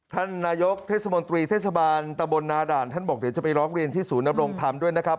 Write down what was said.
ท่านนายกเทศมนตรีเทศบาลตะบลนาด่านท่านบอกเดี๋ยวจะไปร้องเรียนที่ศูนยำรงธรรมด้วยนะครับ